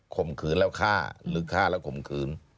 ข่มขืนแล้วฆ่าหรือฆ่าแล้วข่มขืน